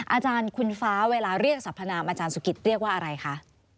อาจารย์คุณฟ้าเวลาเรียกสรรพนามอาจารย์สุกิตเรียกว่าอะไรคะ